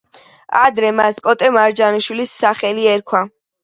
ადრე მას კოტე მარჯანიშვილის სახელი ერქვა.